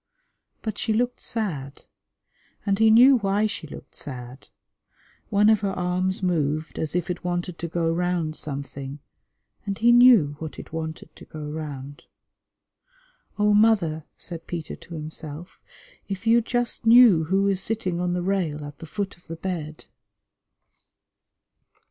But she looked sad, and he knew why she looked sad. One of her arms moved as if it wanted to go round something, and he knew what it wanted to go round. "Oh, mother," said Peter to himself, "if you just knew who is sitting on the rail at the foot of the bed."